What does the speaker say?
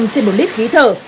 trên một lít khí thở